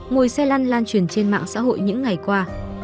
ngồi xe lăn lan lan truyền trên mạng xã hội những ngày qua